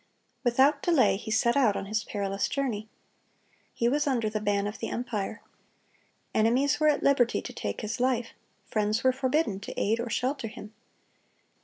Without delay he set out on his perilous journey. He was under the ban of the empire. Enemies were at liberty to take his life; friends were forbidden to aid or shelter him.